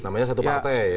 namanya satu partai ya